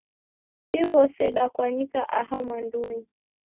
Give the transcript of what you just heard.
Diw'ose dakwanyika aha mwandunyi.